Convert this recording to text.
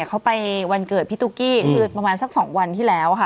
เขาไปวันเกิดพี่ตุ๊กกี้คือประมาณสัก๒วันที่แล้วค่ะ